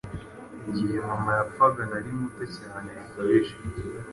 Igihe mama yapfaga nari muto cyane bikabije